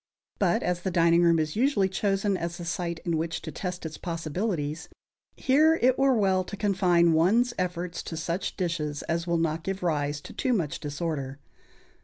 But as the dining room is usually chosen as the site in which to test its possibilities, here it were well to confine one's efforts to such dishes as will not give rise to too much disorder.